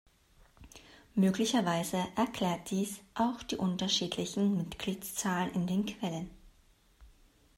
Möglicherweise erklärt dies auch die unterschiedlichen Mitgliedszahlen in den Quellen.